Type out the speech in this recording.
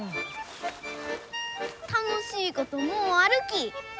楽しいこともうあるき。